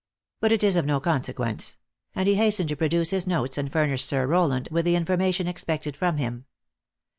" But it is of no consequence," and lie hastened to produce his notes and furnish Sir Rowland with the information expected from him.